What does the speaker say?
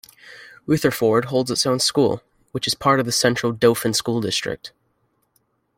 Rutherford holds its own school, which is part of the Central Dauphin School District.